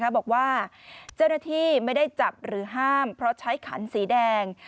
บอกว่าเจ้าหน้าที่ไม่ได้จับหรือห้ามเพราะใช้ขันสีแดง